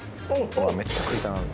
うわめっちゃ食いたなる